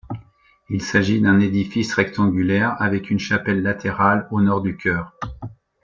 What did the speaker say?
Il s'agit d'un édifice rectangulaire avec une chapelle latérale au nord du chœur.